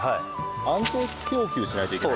安定供給しないといけない？